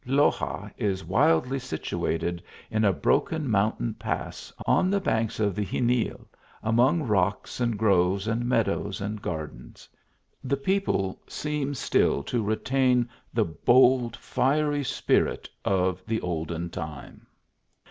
Loxa is wildly situated in a broken mountain pass, on the banks of the Xenil, among rocks and groves, and meadows and gardens. The people seem still to retain the bold fiery spirit of the olden time.